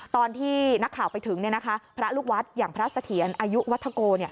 ตอนที่นักข่าวไปถึงพระลูกวัดอย่างพระเสถียรอายุวัฒโก